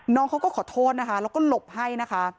น้องเขาก็ขอโทษนะคะแล้วก็หลบให้นะคะ